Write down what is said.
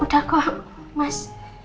udah kok mas